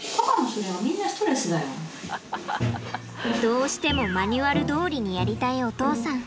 どうしてもマニュアルどおりにやりたいお父さん。